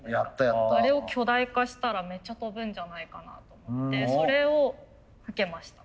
あれを巨大化したらめっちゃ飛ぶんじゃないかなと思ってそれを受けました。